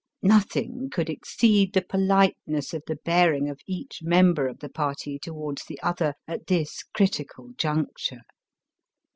Nothing could exceed the politeness of the bearing of each member of the party towards the other at this critical juncture.